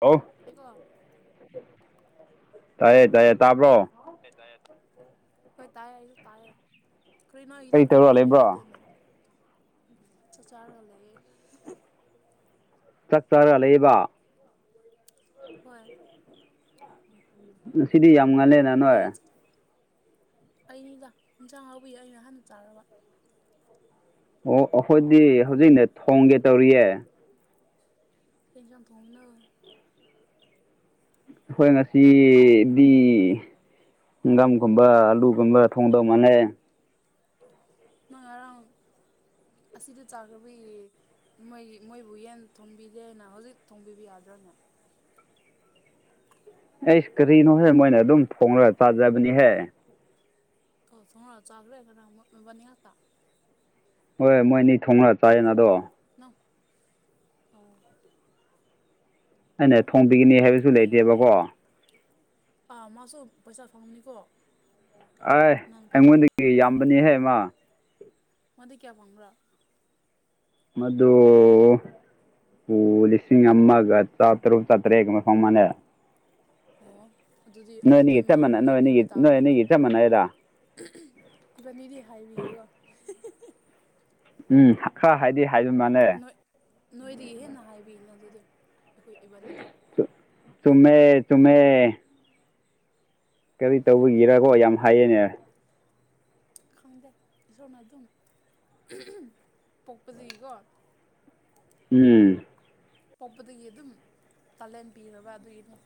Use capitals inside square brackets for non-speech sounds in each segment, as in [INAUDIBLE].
ꯍꯜꯂꫭ ꯏꯀꯣ ꯇꯥꯏꯌꯦ ꯇꯥꯏꯌꯦ ꯇꯥꯕ꯭ꯔꯣ ꯍꯣꯏ ꯇꯥꯏꯌꯦ ꯍꫭꯏ ꯇꯥꯏꯌꯦ ꯑꯩꯁꯨ ꯇꯥꯏꯌꯦ ꯀꯔꯤꯅꫭ ꯑꯩꯗꯤ ꯀꯔꯤ ꯀꯣꯜ ꯇꯧꯔ ꯇꯧꯕ ꯂꯩꯕ꯭ꯔꯣ ꯌꯥꯗꯦꯅꯦ ꯆꯥꯛ ꯆꯥꯔꯒ ꯂꯩꯌꯦ ꯆꯥꯛ ꯆꯥꯔꯒ ꯂꯩꯌꯦꯕ ꯍꯣꯏ ꯉꯁꯤꯗꯤ ꯌꯥꯝ ꯉꯜꯂꯦꯅ꯫ ꯅꯣꯏ ꯑꯩꯅꯤꯗ ꯌꯦꯟꯖꯥꯡ ꯍꯧꯕꯩ ꯑꯩꯅ ꯍꯥꯟꯅ ꯆꯔꯕ꯫ ꯑꯣ ꯑꯩꯈꯣꯏꯗꯤ ꯍꯧꯖꯤꯛꯅ ꯊꯣꯡꯒꯦ ꯇꯧꯔꯤꯌꯦ꯫ ꯀꯩ ꯍꯦꯟꯖꯡ ꯊꯣꯡꯕꯅꯣ? ꯈꯣꯏ ꯉꯁꯤꯗꯤ, ꯍꯪꯒꯥꯝꯒꯨꯝꯕ ꯑꯂꯨꯒꯨꯝꯕ ꯊꯣꯡꯗꯧ ꯃꯥꯥꯟꯅꯦ꯫ ꯅꯪ ꯉꯔꯥꯡ ꯑꯁꯤꯗ ꯆꯥꯈ꯭ꯔꯕꯏ ꯃꯣꯏꯒꯤ ꯃꯣꯏꯕꯨ ꯌꯦꯟ ꯊꯣꯡꯕꯤꯗꯦꯅ ꯍꯧꯖꯤꯛ ꯊꯣꯡꯕꯤꯕ ꯌꯥꯗ꯭ꯔꯣꯅꯦ ꯑꯩꯁ ꯀꯔꯤꯅꯣ ꯍꯦ ꯃꯣꯏꯅ ꯑꯗꯨꯝ ꯊꯣꯡꯔꯒ ꯆꯥꯖꯕꯅꯤꯍꯦ꯫ ꯑꯣ ꯊꯣꯡꯔꯒ ꯆꯒ꯭ꯔꯦ ꯉꯔꯥꯡ ꯃꯕꯅꯤꯉꯛꯇꯥ꯫ ꯍꯣꯏ ꯃꯣꯏꯅꯤ ꯊꯣꯡꯅ ꯆꯥꯏꯌꯦꯅ ꯑꯗꯣ ꯅ ꯎꯝ ꯑꯩꯅ ꯊꯣꯡꯕꯤꯒꯅꯤ ꯍꯥꯏꯕ ꯌꯥꯏ ꯑꯗꯨꯗꯤ ꯑꯥ ꯃꯥꯁꯨ ꯄꯩꯁꯥ ꯐꯪꯉꯅꯤꯀꯣ ꯑꯦ ꯑꯩꯉꯣꯟꯗꯒꯤ ꯌꯥꯝꯕꯅꯤꯍꯦ ꯃꯥ ꯃꯗꯤ ꯀꯌꯥ ꯐꯪꯕꯔ ꯃꯗꯨ ꯄꯨ ꯂꯤꯁꯤꯡ ꯑꯃꯒ ꯆꯥꯇ꯭ꯔꯨꯛ ꯆꯥꯇ꯭ꯔꯦꯠꯀꯨꯝꯕ ꯐꯪ ꯃꯥꯟꯅꯦ ꯑꯣ ꯑꯗꯨꯗꯤ ꯅꯣꯏ ꯑꯗꯨꯗꯤ ꯑꯅꯤꯒꯤ ꯆꯞ ꯃꯥꯅ ꯃꯥꯟꯅꯩ ꯅꯣꯏ ꯂꯩꯕꯤꯕ ꯑꯅꯤꯒꯤ ꯅꯣꯏ ꯇꯥꯕꯅꯤꯅꯦ ꯑꯅꯤꯒꯤ ꯎꯝ ꯆꯞ ꯃꯥꯟꯅꯩꯗ ꯎꯝ ꯏꯕꯅꯤꯗꯤ ꯍꯥꯏꯕꯤꯌꯨꯨ ꯎꯝ ꯈ ꯍꯥꯏꯗꯤ ꯍꯥꯏꯕ ꯃꯥꯅꯦ꯫ ꯅꯣꯏ ꯅꯣꯏꯗꯒꯤ ꯍꯦꯟꯅ ꯍꯥꯏꯕꯤꯅꯦ ꯑꯗꯨꯗꯤ ꯑꯩꯈꯣꯏ ꯏꯕꯥꯅꯤꯗꯣ꯫ ꯆꯨ ꯆꯨꯝꯃꯦ ꯆꯨꯝꯃꯦ꯫ ꯀꯔꯤ ꯇꯧꯕꯒꯤꯔꯒꯣ ꯌꯥꯝ ꯍꯥꯏꯌꯦꯅꯦ꯫ ꯈꯪꯗꯦ, ꯏꯁꯣꯔꯅ ꯑꯗꯨꯝ ꯄꯣꯛꯄꯗꯒꯤꯀꯣ ꯎꯝ ꯄꯣꯛꯄꯗꯒꯤ ꯑꯗꯨꯝ ꯇꯥꯂꯦꯟ ꯄꯤꯔꯕ ꯑꯗꯨꯒꯤꯅꯤ꯫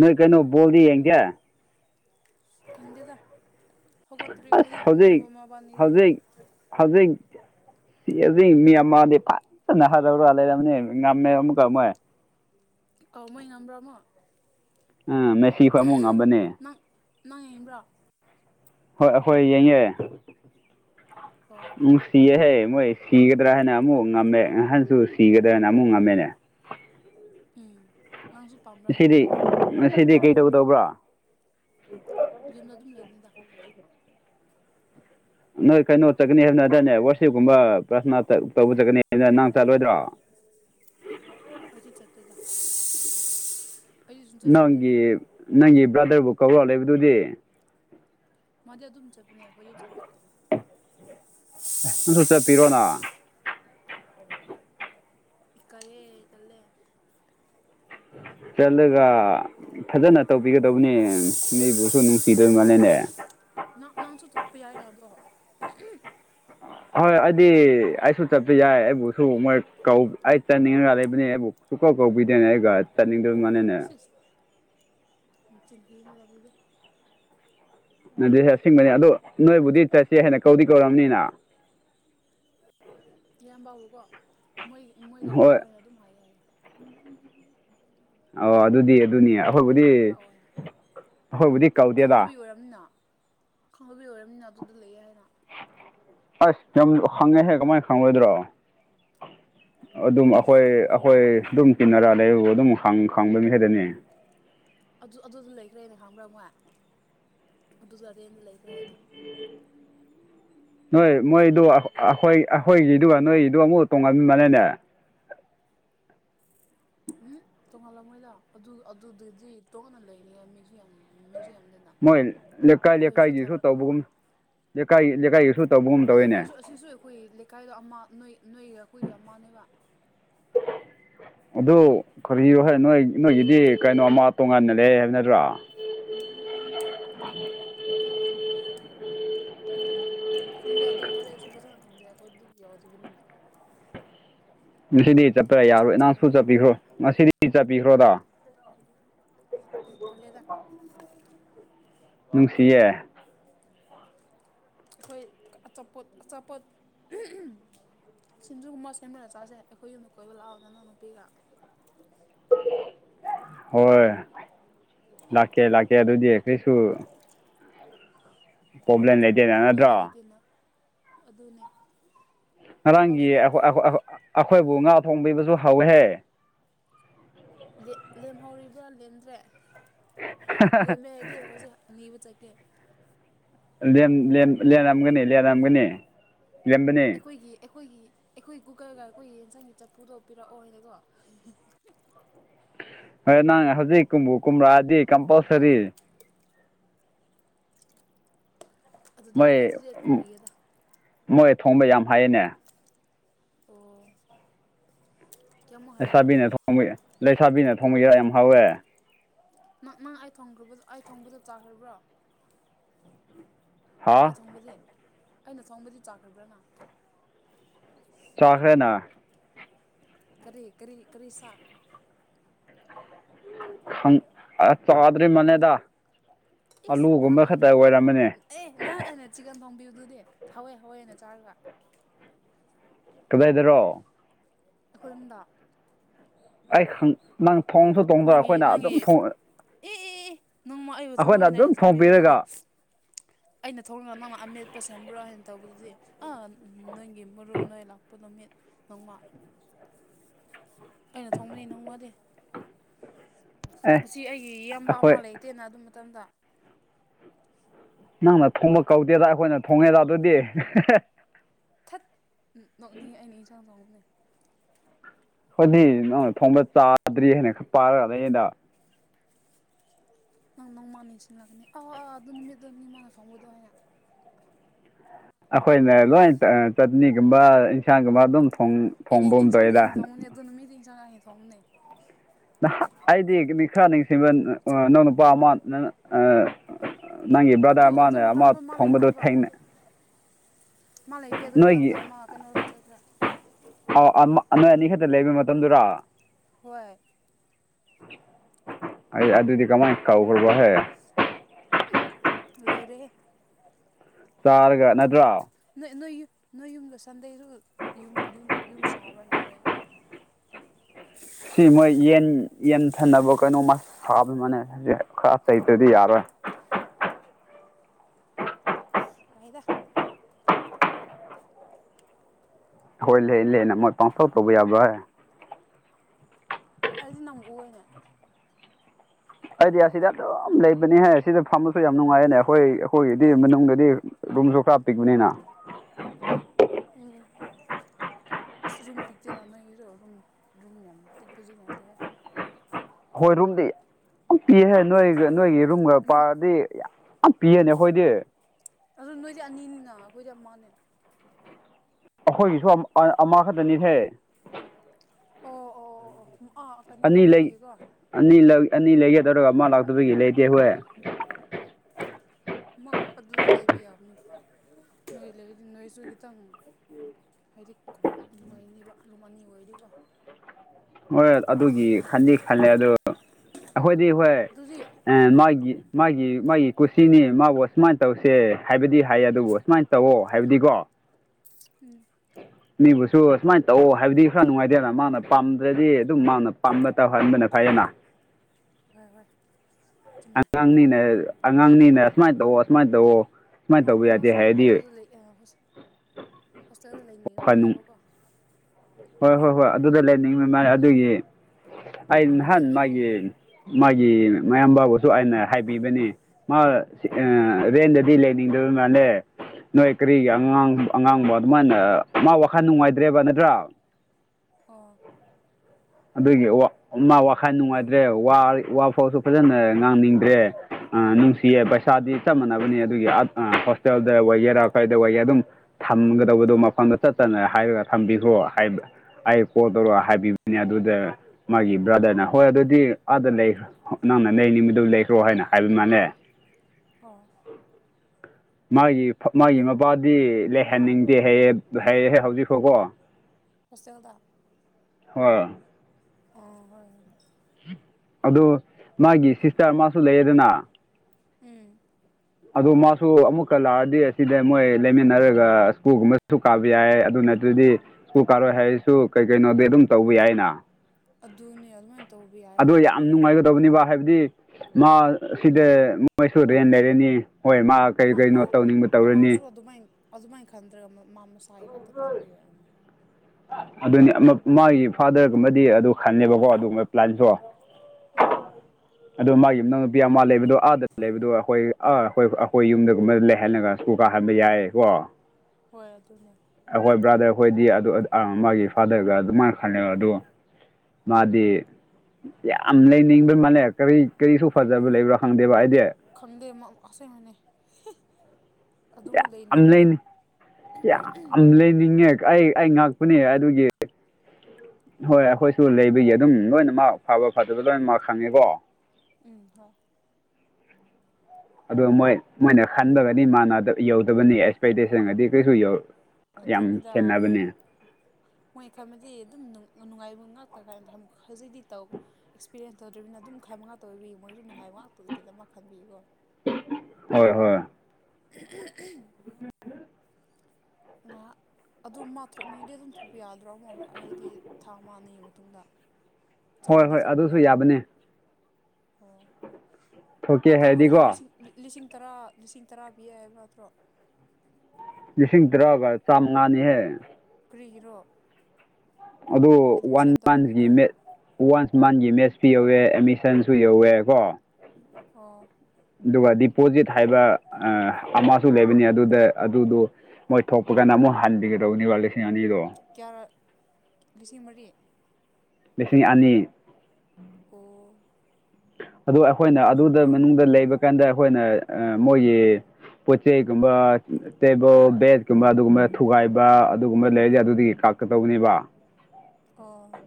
ꯅꯣꯏ ꯀꯩꯅꯣ ꯕꯣꯜꯗꯤ ꯌꯦꯡꯗꯦ ꯌꯦꯡꯗꯦꯗ ꯍꯧꯒꯠꯇ꯭ꯔꯤ ꯑꯁ ꯑꯩꯈꯣꯏꯗ ꯕꯃꯕꯥꯅꯤꯔ [UNINTELLIGIBLE] ꯐꯖꯤꯛ ꯁꯤ ꯑꯁꯤ ꯃꯤ ꯑꯃꯗꯤ ꯐꯖꯅꯅꯥꯍꯗꯧꯔꯜ ꯂꯩꯔꯝꯅꯤ ꯉꯝꯃꯦ ꯑꯃꯨꯛꯀꯃꯣꯏ [UNINTELLIGIBLE] ꯑꯧ ꯃꯣꯏ ꯉꯝꯕ꯭ꯔꯃꯣ ꯎꯝ ꯃꯦꯁꯤ ꯍꯣꯏ ꯑꯃꯨꯛ ꯉꯝꯕꯅꯦ꯫ ꯅꯪ ꯅꯪ ꯌꯦꯡꯕ꯭ꯔꯣ? ꯍꯣꯏ ꯑꯩꯈꯣꯏ ꯌꯦꯡꯉꯦ ꯑꯣ ꯎ ꯁꯤꯌꯦꯍꯩ ꯃꯣꯏ ꯁꯤꯒꯗ꯭ꯔꯥ ꯍꯥꯏꯅ ꯑꯃꯨꯛ ꯉꯝꯃꯦ ꯑꯍꯟꯁꯨ ꯁꯤꯒꯗ꯭ꯔꯥꯅ ꯑꯃꯨꯛ ꯉꯝꯃꯦꯅꯦ [UNINTELLIGIBLE] ꯎꯝ ꯃꯥꯥꯡꯁꯨ ꯉꯁꯤꯗꯤ ꯉꯁꯤꯗꯤ ꯀꯩꯇꯧ ꯇꯧꯕ꯭ꯔꯥ? ꯌꯨꯝꯗ ꯑꯗꯨꯝ ꯂꯩꯒꯅꯤꯗ꯫ ꯅꯣꯏ ꯀꯩꯅꯣ ꯆꯠꯀꯅꯤ ꯍꯥꯏꯕ ꯅꯠꯇ꯭ꯔꯅꯦ ꯋꯥꯔꯁꯤꯞ ꯀꯨꯝꯕ ꯄ꯭ꯔꯠꯅ ꯇꯧꯕ ꯆꯠꯀꯅꯤ ꯍꯥꯏꯅ, ꯅꯪ ꯆꯠꯂꯣꯏꯗ꯭ꯔꯣ? ꯈꯣꯏꯗꯤ ꯆꯠꯇꯦꯗ꯫ ꯑꯩꯗꯤ ꯁꯨꯡꯆꯠ ꯆꯠꯇꯦꯗ ꯅꯪꯒꯤ ꯅꯪꯒꯤ ꯕ꯭ꯔꯥꯗꯔꯕꯨ ꯀꯧꯔꯛ ꯂꯩꯕꯗꯨꯗꯤ? ꯃꯥꯗꯤ ꯑꯗꯨꯝ ꯆꯠꯄꯅꯦ ꯑꯩꯈꯣꯏꯗꯤ ꯆꯠꯇꯦ꯫ ꯑꯦ ꯅꯪꯁꯨ ꯆꯠꯄꯤꯔꯣꯅ꯫ ꯏꯀꯥꯌꯦ ꯇꯜꯂꯦ꯫ ꯆꯂꯒ, ꯐꯖꯅ ꯇꯧꯕꯤꯒꯗꯧꯕꯅꯦ ꯃꯤꯕꯨꯁꯨ ꯅꯨꯡꯁꯤꯗꯣꯏ ꯃꯥꯜꯂꯦꯅꯦ ꯅ ꯅꯪꯁꯨ ꯆꯠꯄ ꯌꯥꯏꯅ ꯑꯗꯣ꯫ ꯍꯣꯏ ꯑꯩꯗꯤ ꯑꯩꯁꯨ ꯆꯠꯄ ꯌꯥꯏ ꯑꯩꯕꯨꯁꯨ ꯃꯣꯏ ꯀꯧ ꯑꯩ ꯆꯠꯅꯤꯡꯔꯒ ꯂꯩꯕꯅꯦ ꯑꯩꯕꯨ ꯁꯨꯛꯀꯧ ꯀꯧꯕꯤꯗꯦꯅꯦ ꯑꯩꯒ ꯆꯅꯤꯡꯗꯕ ꯃꯅꯦ ꯁꯤ ꯏ ꯆꯤꯟꯒꯤ ꯂꯕꯗ ꯑꯗꯨꯗꯤ ꯁꯤꯡꯕꯅꯤ ꯑꯗꯨꯗꯣ ꯅꯣꯏꯕꯨꯗꯤ ꯆꯠꯁꯦ ꯍꯥꯏꯟꯅ ꯀꯧꯗꯤ ꯀꯧꯔꯝꯅꯤꯅ ꯏꯌꯥꯝꯕꯕꯀꯣ ꯃꯣꯏ ꯃꯣꯏꯒ ꯍꯣꯏ ꯂꯥꯛꯑꯣ ꯍꯥꯏꯅ ꯑꯗꯨꯝ ꯍꯥꯏꯒꯌꯦ ꯑꯣ ꯑꯗꯨꯗꯤ ꯑꯗꯨꯅꯤ ꯑꯩꯈꯣꯏꯕꯨꯗꯤ ꯃꯣꯏꯕꯨꯁꯨ ꯄꯨꯔꯛꯑꯣ ꯍꯥꯏꯅ ꯑꯩꯈꯣꯏꯕꯨꯗꯤ ꯀꯧꯗꯦꯗ ꯅ ꯈꯪꯍꯧꯕꯕꯤ ꯑꯣꯏꯔꯕꯅꯤꯅ ꯑꯗꯨꯗ ꯂꯩꯌꯦ ꯍꯥꯏꯅ ꯑꯁ ꯌꯥꯝ ꯈꯪꯉꯦꯍꯦ ꯀꯃꯥꯏꯅ ꯈꯪꯉꯣꯏꯗ꯭ꯔꯣ ꯑꯗꯨꯝ ꯏꯁ ꯑꯩꯈꯣꯏ ꯈꯪꯗꯕꯤ ꯑꯩꯈꯣꯏ ꯑꯣꯏꯔꯝꯅꯤꯅ ꯑꯗꯨꯝ ꯇꯤꯟꯅꯔꯥ ꯂꯩꯕꯕꯨ ꯑꯗꯨꯝ ꯈꯪꯕꯣꯏ ꯃꯤ ꯍꯥꯏꯗꯅꯤ ꯑꯗꯨ ꯑꯗꯨꯗꯤ ꯂꯩꯈ꯭ꯔꯦ ꯍꯥꯏꯅ ꯈꯪꯕ꯭ꯔꯥ ꯃꯣꯏ ꯑꯗꯨ ꯒꯥꯔꯗꯦꯟꯗ ꯂꯩꯈ꯭ꯔꯦꯅ ꯅꯣꯏ ꯃꯣꯏꯗꯨ ꯑꯩꯈꯣꯏ ꯑꯩꯈꯣꯏꯒꯤꯗꯨ ꯅꯣꯏꯒꯤꯗꯨ ꯑꯃꯨꯛ ꯇꯣꯡꯉꯥꯟꯕꯕꯅꯅꯦ ꯎꯝ ꯇꯣꯉꯥꯜꯂꯝ ꯃꯣꯏꯗ ꯑꯗꯨ ꯑꯗꯨꯗꯤ ꯇꯣꯉꯥꯟꯅ ꯂꯩꯅꯤ ꯃꯤꯁꯨ ꯌꯥꯝ ꯃꯤꯁꯨ ꯌꯥꯝ ꯂꯩ ꯃꯣꯏ ꯂꯩꯀꯥꯏ ꯂꯩꯀꯥꯏꯒꯤꯁꯨ ꯇꯧꯕꯒꯨꯝ ꯂꯩꯀꯥꯏ ꯂꯩꯀꯥꯏꯒꯤꯁꯨ ꯇꯧꯕꯒꯨꯝ ꯑꯗꯣ ꯇꯧꯋꯤꯅꯦ ꯑꯩꯈꯣꯏꯁꯨ ꯑꯁꯤꯁꯨ ꯑꯩꯈꯣꯏ ꯂꯩꯀꯥꯏꯗꯣ ꯑꯃ ꯅꯣꯏ ꯅꯣꯏꯒ ꯑꯩꯈꯣꯏꯒꯤ ꯑꯃꯅꯦꯕ꯫ ꯑꯗꯨ ꯈꯔꯤ ꯍꯣꯏ ꯅꯣꯏ ꯅꯣꯏꯒꯤꯗꯤ ꯀꯩꯅꯣ ꯑꯃ ꯇꯣꯉꯥꯟꯅ ꯂꯩ ꯍꯥꯏꯕ ꯅꯠꯇ꯭ꯔꯥ? [UNINTELLIGIBLE] ꯈꯪꯗꯦ ꯑꯗꯨꯒꯨꯝ ꯃꯗꯤ ꯑꯩꯁꯨ ꯐꯖꯅ ꯈꯪꯗꯦ ꯑꯩꯈꯣꯏꯗꯤ ꯌꯥꯎꯗꯕꯅꯤꯅ꯫ ꯉꯁꯤꯗꯤ ꯆꯠꯄ꯭ꯔ ꯆꯞ ꯌꯥꯔꯣꯏ ꯑꯦꯅꯥꯟꯁꯨ ꯆꯥꯅꯗꯤ ꯈꯪꯗꯦ ꯆꯠꯄꯤꯈ꯭ꯔꯣ ꯉꯁꯤꯗꯤ ꯆꯠꯄꯤꯈ꯭ꯔꯣꯗ, ꯇꯜꯂꯦꯗ ꯅꯨꯡꯁꯤꯌꯦ꯫ ꯑꯩꯈꯣꯏ, ꯑꯆꯥꯄꯣꯠ ꯑꯆꯥꯄꯣꯠ ꯁꯤꯡꯖꯨꯒꯨꯝꯕ ꯁꯦꯝꯕꯅ ꯆꯥꯁꯦ ꯑꯩꯈꯣꯏ ꯌꯨꯝꯗ ꯀꯣꯏꯕ ꯂꯥꯛꯑꯣ ꯅꯅꯪ ꯅꯨꯄꯤꯒ ꯍꯣꯏ ꯂꯥꯛꯀꯦ ꯂꯥꯛꯀꯦ ꯑꯗꯨꯗꯤ ꯀꯩꯁꯨ ꯄꯣꯕꯂꯦꯝ ꯂꯩ ꯊꯣꯅꯤꯉꯥꯏ ꯂꯩꯇꯦꯅ ꯑꯗꯨꯅ ꯉꯔꯥꯡꯒꯤ ꯑꯩꯈꯣꯏꯕꯨ ꯉꯥ ꯊꯣꯡꯕꯤꯕꯁꯨ ꯍꯥꯎꯋꯦꯍꯦ ꯂꯦꯝꯍꯧꯔꯤꯕ꯭ꯔꯥ ꯂꯦꯝꯗ꯭ꯔꯦ ꯂꯦꯝꯃꯦ ꯍꯥꯏꯗꯤ ꯍꯧꯖꯤꯛ ꯅꯤꯕ ꯆꯠꯀꯦ ꯂꯝꯒꯅꯤ ꯂꯦꯝꯒꯅꯦ ꯂꯦꯝꯕꯅꯦ ꯑꯩꯈꯣꯏꯒꯤ ꯑꯩꯈꯣꯏꯒꯤ ꯑꯩꯈꯣꯏ ꯒꯨꯀꯔꯒ ꯑꯩꯈꯣꯏꯒꯤ ꯌꯦꯟꯁꯪꯒꯤ ꯆꯐꯨꯗꯣ ꯄꯤꯔꯛꯑꯣꯅꯀꯣ ꯍꯣꯏ ꯅꯪ ꯍꯧꯖꯤꯛ ꯀꯨꯝꯕꯨ ꯀꯨꯝꯔꯛꯑꯗꯤ ꯀꯝꯄꯜꯁꯔꯤ ꯑꯗꯨꯗꯤ ꯃꯣꯏ ꯑꯗꯨꯗꯤ ꯑꯩ ꯀꯨꯝꯔꯤꯒꯦꯗ ꯃꯣꯏ ꯊꯣꯡꯕ ꯌꯥꯝ ꯍꯥꯏꯌꯦꯅꯦ ꯑꯣ ꯀꯌꯥꯃꯨꯛ ꯍꯥꯏꯕ꯭ꯔꯣ ꯂꯩꯁꯥꯕꯤꯅ ꯊꯣꯡꯕ ꯂꯩꯁꯥꯕꯤꯅ ꯊꯣꯡꯕ ꯌꯥ ꯌꯥꯝ ꯍꯥꯎꯋꯦ ꯅꯪ ꯅꯪ ꯑꯩ ꯊꯣꯡꯈ꯭ꯔ ꯑꯩ ꯊꯣꯡꯕꯗꯣ ꯆꯥꯈ꯭ꯔꯕ꯭ꯔꯣ ꯑꯩ ꯍꯥ ꯊꯣꯡꯕꯗꯤ ꯑꯩꯅ ꯊꯣꯡꯕꯗꯤ ꯆꯥꯈ꯭ꯔꯕ꯭ꯔꯅ ꯆꯥꯛꯈ꯭ꯔꯦꯅ ꯀꯔꯤ ꯀꯔꯤ ꯀꯔꯤ ꯁꯥ ꯑꯁ ꯆꯥꯗ꯭ꯔꯤ ꯃꯥꯂꯦꯗ ꯏꯁ ꯅꯍꯥꯟ ꯑꯂꯨꯒꯨꯝꯕ ꯈꯛꯇ ꯑꯩꯅ ꯑꯣꯏꯔꯝꯃꯅꯦ ꯑꯦ ꯅꯪ ꯑꯩꯅ ꯆꯤꯛꯀꯟ ꯊꯣꯡꯕꯤꯕꯗꯨꯗꯤ ꯍꯋꯦ ꯍꯧꯋꯦꯅ ꯆꯥꯔꯒ ꯀꯗꯥꯏꯗꯔꯣ ꯑꯩꯈꯣꯏꯌꯨꯝꯗ ꯑꯩ ꯅꯪ ꯊꯣꯡꯁꯨ ꯊꯣꯡꯗꯔ ꯅꯪꯒꯤ ꯑꯩꯈꯣꯏꯅ ꯅꯪꯒꯤ ꯑꯗꯨꯝ ꯑꯦ ꯑꯦ ꯅꯣꯡꯃ ꯑꯩꯕꯨ ꯑꯩꯈꯣꯏꯅ ꯊꯣꯡꯉꯅꯦ ꯑꯗꯨꯝ ꯑꯩꯅ ꯊꯣꯡꯕꯤꯕꯨ ꯑꯗꯨꯗꯤ ꯊꯣꯡꯕꯤꯔꯒ ꯑꯩꯅ ꯊꯣꯛꯂꯒ ꯅꯪꯅ ꯑꯃꯃꯦꯠꯄ ꯁꯦꯝꯕ꯭ꯔꯥ ꯍꯥꯏꯅ ꯇꯧꯕꯗꯨꯗꯤ ꯑꯥ ꯅꯪꯒꯤ ꯃꯔꯨꯝ ꯅꯣꯏ ꯂꯥꯛꯄ ꯅꯨꯃꯤꯠ ꯅꯣꯡꯃ ꯑꯩꯅ ꯊꯣꯡꯕꯅꯤ ꯅꯣꯡꯃꯥꯗꯤ ꯑꯦ ꯑꯁꯤ ꯑꯩꯒꯤ ꯏꯌꯥꯝꯕ ꯑꯩꯈꯣꯏ ꯑꯃ ꯂꯩ ꯇꯦꯟꯅ ꯑꯗꯨ ꯃꯇꯝꯗ ꯅꯪꯅ ꯊꯣꯡꯕ ꯀꯧꯗꯦꯗ ꯑꯩꯈꯣꯏꯅ ꯊꯣꯡꯉꯦꯗ ꯑꯗꯨꯗꯤ ꯎꯝ ꯂꯣꯛꯅꯤꯡ ꯑꯩꯅ ꯏꯟꯁꯥꯡ ꯆꯎꯕꯅꯦ ꯑꯩꯈꯣꯏꯗꯤ ꯅꯪꯅ ꯊꯣꯡꯕ ꯆꯥꯗ꯭ꯔꯤ ꯍꯥꯏꯅ ꯈ ꯄꯥꯔꯒꯗ ꯗ ꯅꯪ ꯅꯣꯡꯃ ꯅꯤꯡꯁꯤꯡꯜꯂꯛꯀꯅꯤ ꯑꯧ ꯑꯥ ꯑꯗꯨ ꯅꯨꯃꯤꯠ ꯑꯗꯨ ꯃꯤ ꯃꯥꯅ ꯐꯣꯡꯒꯣꯏꯗꯧ ꯍꯥꯏꯅ ꯑꯩꯈꯣꯏꯅ ꯂꯣꯏ ꯆꯠꯅꯤꯒꯨꯝꯕ ꯏꯟꯁꯥꯡꯒꯨꯝꯕ ꯑꯗꯨꯝ ꯊꯣꯡ ꯑꯦ ꯏꯟꯁꯥꯡꯗꯤ ꯑꯩꯅ ꯊꯣꯡꯕꯅꯦ ꯑꯗꯨ ꯅꯨꯠꯇꯗꯤ ꯏꯟꯁꯥꯡꯅꯤ ꯑꯩꯅ ꯊꯣꯡꯕꯅꯦ ꯑꯩꯗꯤ ꯈꯔ ꯅꯤꯡꯁꯤꯡꯕ ꯆꯥꯛ ꯅꯪꯎ ꯅꯨꯄꯥ ꯑꯃ ꯅꯪ ꯅꯪꯒꯤ ꯕ꯭ꯔꯗꯔ ꯑꯗꯨ ꯑꯗꯨ ꯑꯃꯅ ꯑꯃ ꯃꯇꯝꯗꯣ ꯃꯥ ꯊꯣꯡꯕꯗꯣ ꯂꯩꯇꯦꯕ ꯊꯦꯡꯅꯩ ꯃꯥ ꯂꯩꯇꯦ ꯑꯗꯨ ꯃꯇꯝꯗ ꯃꯥ ꯀꯩꯅ ꯑꯣꯏ ꯆꯠꯈ꯭ꯔ ꯑꯥꯎ ꯅꯣꯏ ꯑꯅꯤ ꯈꯛꯇ ꯂꯩꯕ ꯃꯇꯝꯗꯨꯗ ꯍꯣꯏ ꯑꯩ ꯑꯗꯨ ꯑꯗꯨꯗꯤ ꯀꯃꯥꯏ ꯀꯥꯎ ꯑꯣꯏꯕꯣ ꯍꯦ ꯂꯣꯏꯔꯦ ꯆꯥꯔꯒ ꯅꯠꯇ꯭ꯔꯣ ꯅꯣꯏ ꯅꯣꯏ ꯅꯣꯏ ꯌꯨꯝꯗ ꯁꯟꯗꯩꯗꯨ ꯌꯨꯝ ꯌꯨꯝ ꯌꯨꯝ ꯁꯥꯕ꯭ꯔꯅꯦ ꯅꯣꯏ ꯁꯤ ꯃꯣꯏ ꯌꯦꯟ ꯌꯦꯟꯊꯅꯕ ꯀꯩꯅꯣ ꯃ ꯁꯥꯕ ꯃꯅꯦ ꯍꯧ ꯈꯔ ꯂꯩꯇ꯭ꯔꯗꯤ ꯌꯥꯔꯣꯏ ꯐꯪꯉꯤꯗ ꯍꯣꯏ ꯂꯩ ꯂꯩꯅ ꯃꯣꯏ ꯄꯪꯇꯥꯎ ꯇꯧꯕ ꯌꯥꯕ꯭ꯔꯍꯦ ꯑꯩꯗꯤ ꯅꯪ ꯎꯌꯦꯅꯦ ꯑꯥꯏꯗꯤꯌꯥꯁꯤꯗ ꯑꯗꯨꯝ ꯂꯩꯕꯅꯤ ꯍꯥꯏ ꯁꯤꯗ ꯐꯝꯕꯁꯨ ꯌꯥꯝ ꯅꯨꯡꯉꯥꯏꯅꯦ ꯑꯩꯈꯣꯏ ꯑꯩꯈꯣꯏꯒꯤꯗꯤ ꯃꯅꯨꯡꯗꯗꯤ ꯔꯨꯝꯁꯨ ꯈꯔ ꯄꯤꯛꯕꯅꯤꯅ ꯎꯝ ꯀꯔꯨꯝ ꯄꯤꯛꯇꯩ ꯅꯥꯟ ꯅ ꯌꯔꯣ ꯔꯨꯝ ꯔꯨꯝ ꯅꯌꯥꯝ ꯄꯤꯛꯕꯨꯖꯤ ꯈꯜꯂꯤ ꯍꯣꯏ ꯔꯨꯝꯗꯤ ꯄꯤꯍ ꯅꯣꯏꯒ ꯅꯣꯏꯒꯤ ꯔꯨꯝꯒ ꯔꯨꯝ ꯄꯥꯔꯗꯤ ꯄꯤꯌꯦꯅꯦ ꯍꯣꯏꯗꯤ ꯑꯗꯨ ꯅꯣꯏꯗꯤꯦ ꯑꯅꯤꯅꯤꯅ ꯑꯩꯈꯣꯏꯗꯤ ꯌꯥꯝ ꯃꯥꯟꯅꯩ ꯑꯩꯈꯣꯏꯒꯤꯁꯨ ꯑꯃꯈꯛꯇꯅꯤꯁꯦ ꯑꯣ ꯑꯣ ꯑꯣ ꯑꯣ ꯑꯥ ꯀꯅꯥ ꯑꯅꯤ ꯂꯩ ꯂꯥꯛꯇꯕꯤꯌꯀꯣ ꯑꯅꯤ ꯑꯅꯤ ꯂꯩꯒꯦ ꯇꯧꯔꯒ ꯃꯥ ꯂꯥꯛꯇꯕꯒꯤ ꯂꯩꯇꯦ ꯍꯣꯏ ꯑꯗꯨꯗ ꯂꯩꯕ ꯌꯥꯕꯅꯤ ꯅꯣꯏ ꯂꯩꯔꯤꯗꯤ ꯅꯣꯏꯁꯨ ꯈꯤꯇꯪ ꯍꯥꯏꯗꯤ ꯀꯣ ꯑꯣꯏꯅꯤꯕ ꯂꯨꯝ ꯑꯅꯤ ꯑꯣꯏꯔꯤꯕꯣ ꯍꯣꯏ ꯑꯗꯨꯒꯤ ꯈꯗꯤ ꯈꯂꯦ ꯑꯗꯨ ꯑꯩꯈꯣꯏꯗꯤ ꯍꯣꯏ ꯑꯗꯨꯗꯤ ꯃꯥꯒꯤ ꯃꯥꯒꯤ ꯃꯥꯒꯤ ꯀꯨꯁꯤꯅꯤ ꯃꯥꯕꯨ ꯑꯁꯨꯃꯥꯏꯅ ꯇꯧꯁꯦ ꯍꯥꯏꯕꯗꯤ ꯍꯥꯏ ꯑꯗꯨꯕꯨ ꯑꯁꯨꯃꯥꯏꯅ ꯇꯧꯋꯑꯣ ꯍꯥꯏꯕꯗꯤꯀꯣ ꯎꯝ ꯎꯝ ꯃꯤꯕꯨꯁꯨ ꯁꯨꯃꯥꯏꯅ ꯇꯧ ꯍꯥꯏꯕꯗꯤ ꯈꯔ ꯅꯨꯡꯉꯥꯏꯇꯦꯅ ꯃꯥꯅ ꯄꯥꯝꯗ꯭ꯔꯗꯤ ꯑꯗꯨꯝ ꯃꯥꯅ ꯄꯥꯝꯕ ꯇꯧꯍꯟꯕꯅ ꯐꯥꯏꯌꯦꯅ ꯍꯣꯏ ꯍꯣꯏ ꯆꯨꯝꯃꯦ ꯑꯉꯥꯡꯅꯤꯅ ꯑꯉꯥꯡꯅꯤꯅ ꯑꯨꯃꯥꯏꯅ ꯇꯧꯑꯣ ꯑꯨꯃꯥꯏꯅ ꯇꯧꯑꯣ ꯁꯨꯃꯥꯏꯅ ꯃꯥ ꯇꯧꯕ ꯌꯥꯗꯦ ꯃꯥꯁꯨ ꯍꯥꯏꯔꯗꯤ ꯑꯗꯨꯗ ꯂꯩ ꯍꯣꯁꯇꯦꯜꯗ ꯋꯥꯈꯜ ꯂꯩꯅꯤꯡꯌꯃꯜꯂꯦꯕꯀꯣ ꯍꯣꯏ ꯍꯣꯏ ꯍꯣꯏ ꯑꯗꯨꯗ ꯂꯩꯅꯤꯡꯕ ꯃꯥꯅꯦ ꯑꯗꯨꯒꯤ ꯑꯩ ꯅꯍꯥꯟ ꯃꯥꯒꯤ ꯃꯥꯒꯤ ꯃꯌꯥꯝꯕꯕꯨꯁꯨ ꯑꯩꯅ ꯍꯥꯏꯕꯤꯕꯅꯤ ꯃꯥ ꯑꯣ ꯔꯦꯟꯗꯗꯤ ꯂꯩꯅꯤꯡꯗꯕꯩ ꯃꯥꯅꯦ ꯅꯣꯏ ꯀꯔꯤꯒꯤ ꯑꯉꯥꯡ ꯑꯉꯥꯡꯕ ꯑꯗꯨꯃꯥꯏꯅ ꯃꯥ ꯋꯥꯈꯜ ꯅꯨꯡꯉꯥꯏꯇ꯭ꯔꯦꯕ ꯅꯠꯇ꯭ꯔꯥ ꯑꯣ ꯑꯗꯨꯒꯤ ꯃꯥ ꯋꯥꯈꯜ ꯅꯨꯡꯉꯥꯏꯇ꯭ꯔꯦ ꯋꯥꯐꯥꯎꯁꯨ ꯐꯖꯅ ꯉꯥꯡꯅꯤꯡꯗ꯭ꯔꯦ ꯅꯨꯡꯁꯤꯌꯦ ꯄꯩꯁꯥꯗꯤ ꯆꯞ ꯃꯥꯟꯅꯕꯅꯤ ꯑꯗꯨꯒꯤ ꯍꯣꯁꯇꯦꯜꯗ ꯑꯣꯏꯒꯦꯔꯥ ꯀꯩꯗ ꯑꯣꯏꯒꯦꯔꯥ ꯑꯗꯨꯝ ꯊꯝꯒꯗꯕꯗꯨꯣ ꯃꯐꯝꯗ ꯆꯠꯇꯅ ꯍꯥꯏꯔꯒ ꯊꯝꯕꯤꯈ꯭ꯔꯣ ꯑꯩ ꯀꯣꯜ ꯇꯧꯔꯒ ꯍꯥꯏꯕꯤ ꯅꯤ ꯑꯗꯨꯗ ꯃꯥꯒꯤ ꯕ꯭ꯔꯥꯗꯔꯅ ꯍꯣꯏ ꯑꯗꯨꯗꯤ ꯑꯥꯗ ꯂꯩꯈ꯭ꯔ ꯅꯪꯅ ꯂꯩꯅꯤꯡꯕꯗꯨ ꯂꯩꯈ꯭ꯔꯣ ꯍꯥꯏꯅ ꯍꯥꯏꯕ ꯃꯥꯜꯅꯦ ꯑꯣ ꯃꯥꯒꯤ ꯃꯥꯒꯤ ꯃꯕꯥꯗꯤ ꯂꯩꯍꯟꯅꯤꯡꯗꯦ ꯍꯥꯏ ꯍ ꯍ ꯍꯧꯖꯤꯛꯐꯥꯎꯀꯣ ꯎ ꯍꯣꯁꯇꯦꯜꯗ ꯍꯣꯏ ꯑꯣ ꯍꯣꯏ ꯍꯣꯏ ꯑꯗꯨ ꯃꯥꯒꯤ ꯁꯤꯁꯇꯔ ꯃꯥꯁꯨ ꯂꯩꯌꯦꯗꯅ ꯎꯝ ꯑꯗꯣ ꯃꯥꯁꯨ ꯑꯃꯨꯛꯀ ꯂꯥꯛꯑꯗꯤ ꯑꯁꯤꯗ ꯃꯣꯏ ꯂꯩꯃꯤꯟꯅꯔꯒ ꯁꯀꯨꯜꯒꯨꯝꯕꯁꯨ ꯀꯥꯕ ꯌꯥꯏ ꯑꯗꯨ ꯅꯠꯇ꯭ꯔꯗꯤ ꯁ꯭ꯀꯨꯜ ꯀꯥꯔꯣꯏ ꯍꯥꯏꯔꯁꯨ ꯀꯩ ꯀꯩꯅꯣꯗꯤ ꯑꯗꯨꯝ ꯇꯧꯕ ꯌꯥꯏꯅ ꯑꯗꯨꯅꯦ ꯑꯗꯨ ꯑꯉꯟ ꯑꯗꯣ ꯌꯥꯝ ꯅꯨꯡꯉꯥꯏꯒꯗꯕꯅꯤꯕ ꯍꯥꯏꯕꯗꯤ ꯃꯥ ꯁꯤꯗ ꯃꯣꯏꯁꯨ ꯔꯦꯟ ꯂꯩꯔꯦꯅꯤ ꯍꯣꯏ ꯃꯥ ꯀꯩ ꯃꯥ ꯃꯥ ꯀꯩꯅꯣ ꯇꯧꯅꯤꯡꯕ ꯇꯧꯔꯅꯤ ꯃꯥꯎꯁꯨ ꯑꯗꯨꯃꯥꯏ ꯑꯗꯨꯃꯥꯏꯅ ꯈꯟꯗ꯭ꯔꯒ ꯃꯥ ꯃꯁꯥꯒꯤ ꯈꯛꯇ ꯈꯟꯕꯤꯒꯤ ꯑꯣꯏꯔꯝꯅꯤ ꯑꯗꯨꯅꯤ ꯃꯥꯒꯤ ꯐꯥꯗꯔꯒꯨꯝꯕꯗꯤ ꯑꯗꯨ ꯈꯜꯂꯦꯕꯀꯣ ꯑꯗꯨꯒꯨꯝꯕ ꯄ꯭ꯂꯥꯟꯁꯨ ꯎꯝ ꯑꯗꯨꯣ ꯃꯥꯒꯤ ꯏꯨꯝꯅꯥꯪ ꯅꯨꯄꯤ ꯑꯃ ꯂꯩꯕꯗꯣ ꯑꯥꯗ ꯂꯩꯕꯗꯣ ꯑꯩꯈꯣꯏ ꯑꯥ ꯑꯩꯈꯣꯏ ꯑꯩꯈꯣꯏ ꯌꯨꯝꯗꯒꯨꯝꯕꯗ ꯂꯩꯍꯜꯂꯒ ꯁ꯭ꯀꯨ ꯀꯥꯍꯟꯕ ꯌꯥꯏ ꯀꯣ ꯍꯣꯏ ꯑꯗꯨꯅꯦ ꯑꯩꯈꯣꯏ ꯕ꯭ꯔꯥꯗꯔ ꯍꯣꯏꯗꯤ ꯑꯗꯨ ꯃꯥꯒꯤ ꯐꯥꯗꯔꯒ ꯑꯗꯨꯃꯥꯏꯅ ꯈꯜꯂꯦꯕ ꯑꯗꯨꯣ ꯃꯥꯗꯤ ꯌꯥꯝ ꯂꯩꯅꯤꯡꯕꯩ ꯃꯥꯜꯂꯦ ꯀꯔꯤ ꯀꯔꯤꯁꯨ ꯐꯖꯕ ꯂꯩꯕ꯭ꯔꯥ ꯈꯪꯗꯦꯕ ꯍꯥꯏꯗꯤ ꯈꯪꯗꯦ ꯑꯁꯦꯡ ꯃꯅꯦ ꯌꯥꯝꯂꯦꯅꯦ ꯌꯥꯝ ꯂꯩꯅꯤꯡꯉꯦ ꯑꯩ ꯑꯩ ꯉꯥꯛꯄꯅꯦ ꯑꯗꯨꯒꯤ ꯍꯣꯏ ꯑꯩꯈꯣꯏꯁꯨ ꯂꯩꯕꯒꯤ ꯑꯗꯨꯝ ꯂꯣꯏꯅꯃꯛ ꯐꯕ ꯐꯠꯗꯕ ꯂꯣꯏꯅꯃꯛ ꯈꯪꯉꯦꯀꯣ ꯎꯝ ꯍꯣꯏ ꯑꯗꯨꯒ ꯃꯣꯏ ꯃꯣꯏꯅ ꯈꯟꯕꯒꯗꯤ ꯃꯥꯟꯅ ꯌꯧꯗꯕꯅꯤ ꯑꯦꯛꯁꯄꯦꯛꯇꯦꯁꯟꯒꯗꯤ ꯀꯩꯁꯨ ꯌꯧ ꯌꯥꯝ ꯑꯗꯨꯅꯤꯗ ꯑꯝ ꯈꯦꯠꯅꯕꯅꯦ ꯎꯝ ꯃꯣꯏ ꯈꯟꯕꯗꯤ ꯑꯗꯨꯝ ꯅꯨꯡꯉꯥꯏꯕ ꯉꯥꯛꯇ ꯀꯥꯟꯗꯊꯝ ꯈꯖꯤꯛꯇꯤ ꯇꯧꯕ ꯑꯦꯛꯁꯄꯤꯔꯤꯌꯦꯟꯁ ꯇꯧꯗ꯭ꯔꯤꯅ ꯑꯗꯨꯝ ꯈꯥꯕꯉꯥꯇꯥ ꯑꯣꯏꯕꯒꯤ ꯃꯣꯏꯁꯨ ꯅꯨꯡꯉꯥꯏꯕ ꯉꯥꯛꯇ ꯑꯣꯏꯒꯗꯅ ꯈꯟꯕꯒꯤꯀꯣ ꯍꯣꯏ ꯍꯣꯏ [UNINTELLIGIBLE] ꯉꯥꯍꯛ ꯑꯗꯨ ꯃꯥ ꯊꯣꯛꯅꯤꯡꯉꯩꯗꯤ ꯑꯗꯨꯝ ꯊꯣꯛꯄ ꯌꯥꯗ꯭ꯔꯣ ꯑꯃꯨꯛ ꯍꯥꯏꯗꯤ ꯊꯥ ꯑꯃ ꯑꯅꯤꯒꯤ ꯃꯇꯨꯡꯗ ꯍꯣꯏ ꯆꯪꯉꯥꯗꯤ ꯍꯣꯏ ꯊꯣꯛꯄ ꯑꯗꯨꯁꯨ ꯌꯥꯗꯕ꯭ꯔꯣ ꯌꯥꯕꯅꯦ ꯑꯣ ꯊꯣꯛꯀꯦ ꯇꯨꯝ ꯃꯣꯏꯗꯣ ꯍꯥꯏꯔꯗꯤꯀꯣ ꯂꯤꯁꯤꯡ ꯂꯤꯁꯤꯡ ꯇꯔꯥ ꯂꯤꯁꯤꯡ ꯇꯔꯥ ꯄꯤꯌꯦ ꯍꯥꯏꯕ ꯅꯠꯇ꯭ꯔꯣ ꯂꯤꯁꯤꯡ ꯇꯔꯥꯒ ꯆꯥꯝꯃꯉꯥ ꯅꯤꯍꯦ ꯀ꯭ꯔꯤꯒꯤꯔꯣ ꯑꯗꯨ ꯋꯥꯟ ꯄꯟꯒꯤ ꯇꯧꯒꯦꯔꯥ ꯃꯦꯠ ꯋꯥꯟꯁ ꯃꯟꯒꯤ ꯃ‌ꯦꯁ ꯐꯤ ꯌꯧꯋꯦ ꯑꯦꯃꯤꯁꯟꯁꯨ ꯌꯧꯋꯦ ꯍꯥꯏꯀꯣ ꯑꯣ ꯑꯗꯨꯒ ꯗꯤꯄꯣꯖꯤꯠ ꯍꯥꯏꯕ ꯑꯥ ꯑꯃꯁꯨ ꯂꯩꯕꯅꯤ ꯑꯗꯨꯗ ꯑꯗꯨꯗꯨ ꯃꯣꯏ ꯊꯣꯛꯄꯀꯥꯟꯗ ꯑꯃꯨꯛ ꯍꯟꯕꯤꯒꯗꯧꯅꯤꯕ ꯂꯤꯁꯤꯡ ꯑꯅꯤꯗꯣ ꯀꯌꯥꯔꯛ ꯂꯤꯁꯤꯡ ꯃꯔꯤ ꯂꯤꯁꯤꯡ ꯑꯅꯤ ꯑꯣ ꯑꯗꯣ ꯑꯩꯈꯣꯏꯅ ꯑꯗꯨꯗ ꯃꯥꯒꯤ ꯃꯅꯨꯡꯗ ꯂꯩꯕ ꯀꯥꯟꯗ ꯑꯩꯈꯣꯏꯅ ꯃꯣꯏꯒꯤ ꯄꯣꯠ-ꯆꯩꯒꯨꯝꯕ ꯇꯦꯕꯜ, ꯕꯦꯠꯀꯨꯝꯕ ꯑꯗꯨꯒꯨꯝꯕ ꯊꯨꯒꯥꯏꯕ ꯑꯗꯨꯒꯨꯝꯕ ꯂꯩꯔꯗꯤ ꯑꯗꯨꯗꯒꯤ ꯀꯛ ꯀꯛꯇꯧꯕꯅꯦꯕ ꯑꯣ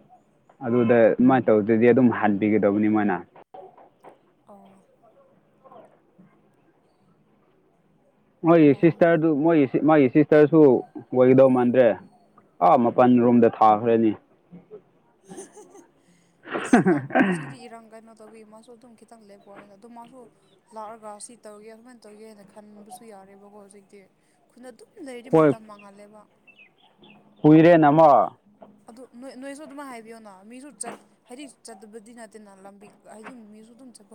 ꯑꯗꯨꯗ ꯑꯗꯨꯃꯥꯏꯅ ꯇꯧꯗꯔꯗꯤ ꯑꯗꯨꯝ ꯍꯟꯕꯤꯒꯗꯧꯕꯅꯤ ꯃꯣꯏꯅ ꯑꯣ ꯃꯣꯏꯒꯤ ꯌꯥꯏ ꯌꯥꯏ ꯁꯤꯁꯇꯔꯗꯨ ꯃꯣꯏꯒꯤ ꯃꯣꯏꯒꯤ ꯁꯤꯁꯇꯔꯁꯨ ꯑꯣꯏꯒꯗꯧ ꯃꯥꯟꯗ꯭ꯔꯦ ꯑꯥ ꯃꯥꯄꯜ ꯔꯣꯝꯗ ꯊꯥꯈ꯭ꯔꯅꯤ ꯑꯁ ꯃꯥ ꯍꯧꯖꯤꯛꯇꯤ ꯏꯔꯥꯡ ꯀꯩꯅ‌ꯣ ꯇꯧꯕꯒꯤ ꯃꯥꯁꯨ ꯑꯗꯨꯝ ꯈꯤꯇꯪ ꯂꯦꯞꯄ ꯍꯥꯏꯅ ꯑꯗꯨꯝ ꯃꯥꯁꯨ ꯂꯥꯛꯑꯒ ꯁꯤ ꯇꯧꯒꯦ ꯑꯗꯨꯃꯥꯏ ꯇꯧꯒꯦꯅ ꯈꯟꯕꯁꯨ ꯌꯥꯔꯦꯕꯀꯣ ꯍꯧꯖꯤꯛꯇꯤ ꯈꯨꯟꯗ ꯑꯗꯨꯝ ꯂꯩꯔꯗꯤ ꯃꯇꯝ ꯃꯥꯡꯍꯜꯂꯦꯕ ꯀꯨꯏꯔꯦ ꯅꯥꯃꫭ ꯑꯗꯨ ꯅꯣꯏ ꯅꯣꯏꯁꯨ ꯑꯗꯨꯝ ꯍꯥꯏꯕꯤꯌꯣꯅꯣ ꯃꯤꯁꯨ ꯆꯠ ꯍꯥꯏꯗꯤ ꯆꯠꯇꯕꯗꯤ ꯅꯠꯇꯦꯅ ꯂꯝꯕꯤ ꯍꯥꯏ ꯃꯤꯁꯨ ꯑꯗꯨꯝ ꯆꯠꯄ